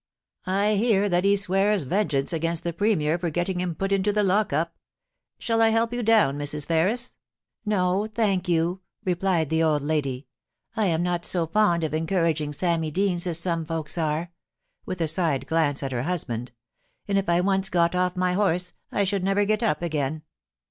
I hear that he swears vengeance against the Premier for getting him put into the lock up. Shall I help you down, Mrs. Ferris f * No, thank you,' replied the old lady. * I am not so fond of encouraging Sammy Deans as some folks are '— with a side glance at her husband —* and if I once got off my horse, I should never get up again.